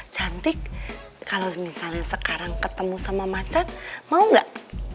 cantik kalau misalnya sekarang ketemu sama macan mau nggak